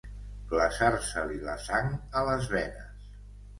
Glaçar-se-li la sang a les venes.